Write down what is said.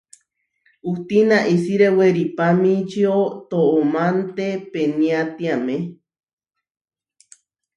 Hustína isiré weripamičío toománte peniátiame.